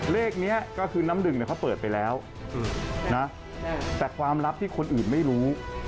เลขนี้ก็คือน้ำดึงเขาเปิดไปแล้วนะแต่ความลับที่คนอื่นไม่รู้